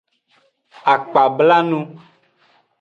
Akpablanu.